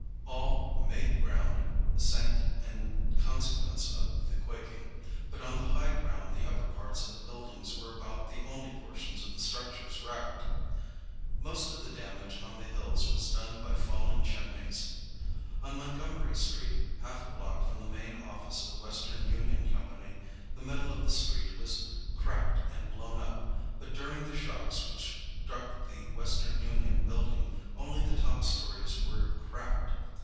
All "made ground" sank in consequence of the quaking, but on the high ground the upper parts of the buildings were about the only portions of the structures wrecked. Most of the damage on the hills was done by falling chimneys. On Montgomery Street, half a block from the main office of the Western Union Company, the middle of the street was cracked and blown up, but during the shocks which struck the Western Union building only the top stories were cracked.